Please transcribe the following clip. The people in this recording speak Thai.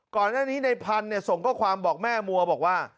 ก่อนหน้านี้ในพันธุ์ส่งข้อความบอกแม่มัวบอกว่า